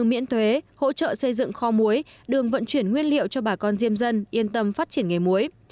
miễn thuế hỗ trợ xây dựng kho muối đường vận chuyển nguyên liệu cho bà con diêm dân yên tâm phát triển nghề muối